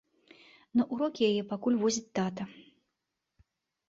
На ўрокі яе пакуль возіць тата.